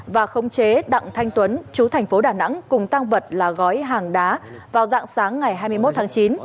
và khống chế đặng thanh tuấn chú thành phố đà nẵng cùng tăng vật là gói hàng đá vào dạng sáng ngày hai mươi một tháng chín